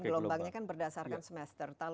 gelombangnya kan berdasarkan semester